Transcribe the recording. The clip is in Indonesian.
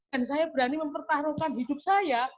dan saya berani mempertaruhkan hidup saya